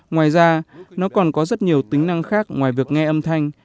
ngoài ra nó còn có rất nhiều tính năng khác ngoài việc nghe âm thanh